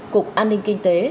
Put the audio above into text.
cục an ninh kinh tế